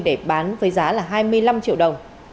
để bán với giá là hai mươi năm triệu đồng